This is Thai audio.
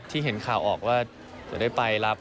เห็นข่าวออกว่าจะได้ไปรับ